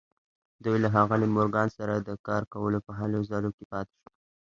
دوی له ښاغلي مورګان سره د کار کولو په هلو ځلو کې پاتې شول